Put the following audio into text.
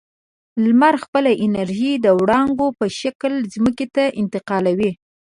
لمر خپله انرژي د وړانګو په شکل ځمکې ته انتقالوي.